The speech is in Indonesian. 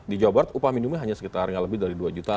di jawa barat upah minimumnya hanya sekitar lebih dari dua juta